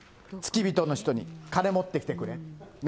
付き人の人に、金持って来てくれ。